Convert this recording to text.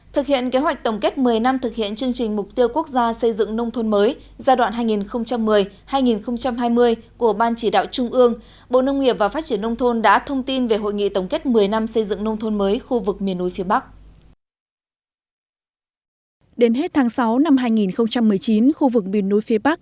thực hiện kế hoạch tổng kết một mươi năm thực hiện chương trình mục tiêu quốc gia xây dựng nông thôn mới giai đoạn hai nghìn một mươi hai nghìn hai mươi của ban chỉ đạo trung ương bộ nông nghiệp và phát triển nông thôn đã thông tin về hội nghị tổng kết một mươi năm xây dựng nông thôn mới khu vực miền núi phía bắc